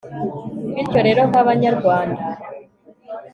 bityo rero nk'abanyarwanda